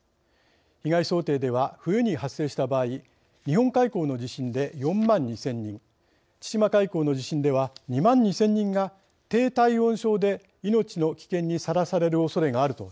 被害想定では冬に発生した場合日本海溝の地震で４万２，０００人千島海溝の地震では２万２，０００人が低体温症で命の危険にさらされるおそれがあるとしています。